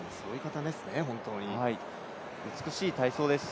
美しい体操です。